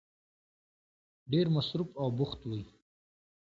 ډېر مصروف او بوخت وی